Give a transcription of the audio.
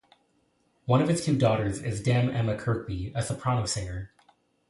One of his two daughters is Dame Emma Kirkby, a soprano singer.